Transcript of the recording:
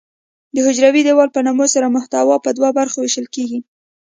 د حجروي دیوال په نمو سره محتوا په دوه برخو ویشل کیږي.